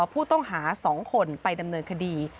ผู้ต้องหา๒คนไปดำเนินคดี